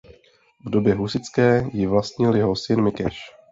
V době husitské ji vlastnil jeho syn Mikeš.